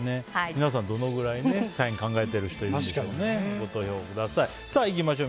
皆さん、どのくらいサインを考えてる人いるんでしょう。